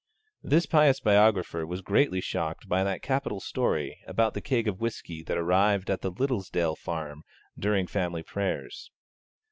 This pious biographer was greatly shocked by that capital story about the keg of whisky that arrived at the Liddesdale farmer's during family prayers.